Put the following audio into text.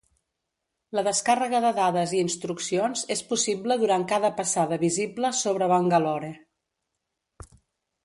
La descàrrega de dades i instruccions és possible durant cada passada visible sobre Bangalore.